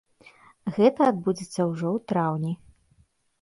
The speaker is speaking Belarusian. Гэта адбудзецца ўжо ў траўні.